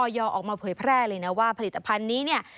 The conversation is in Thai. อยออกมาเผยแพร่เลยนะว่าผลิตภัณฑ์นี้